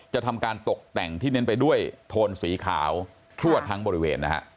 ทำการตกแต่งที่เน้นไปด้วยโทนสีขาวทั่วทั้งบริเวณนะฮะ